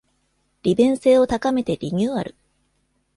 利便性を高めてリニューアル